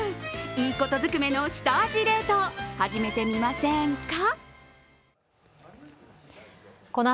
いいことずくめの下味冷凍、始めて見ませんか？